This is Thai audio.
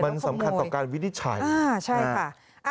มันสำคัญต่อการวินิจฉัยอ่าใช่ค่ะ